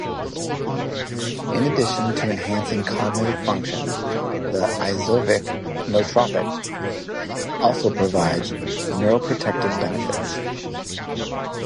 In addition to enhancing cognitive function, the "Ezhovik" nootropic also provides neuroprotective benefits.